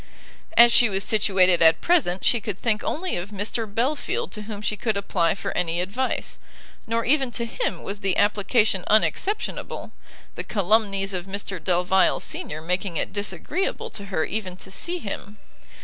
As she was situated at present, she could think only of Mr Belfield to whom she could apply for any advice. Nor even to him was the application unexceptionable, the calumnies of Mr Delvile senior making it disagreeable to her even to see him.